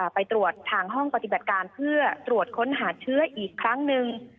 ไปตรวจทางห้องปฏิบัติการเพื่อตรวจค้นหาเชื้ออีกครั้งหนึ่ง